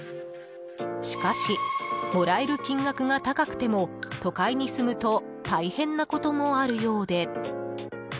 しかし、もらえる金額が高くても都会に住むと大変なこともあるようで。